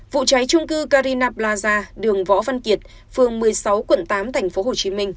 vụ cháy trung cư carina plaza đường võ văn kiệt phường một mươi sáu quận tám tp hcm